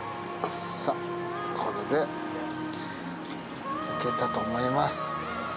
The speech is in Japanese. さっこれでいけたと思います